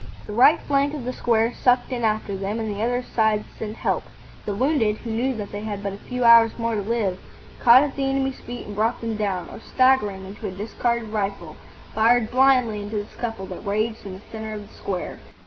The right flank of the square sucked in after them, and the other sides sent help. The wounded, who knew that they had but a few hours more to live, caught at the enemy's feet and brought them down, or, staggering into a discarded rifle, fired blindly into the scuffle that raged in the centre of the square.